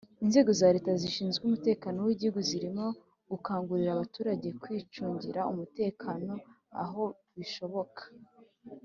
Inzego za Leta zishinzwe umutekano w Igihugu zirimo gukangurira abaturage kwicungira umutekano aho bishoboka